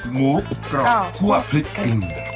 หมูกรอบคั่วพริกกลิ่นอ้อคืออ้อ